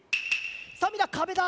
さあみんなかべだ。